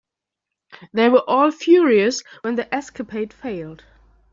They were all furious when the escapade failed.